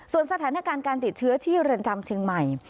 ส่วนสถานการณ์การติดเชื้อที่เรือนจำเชียงใหม่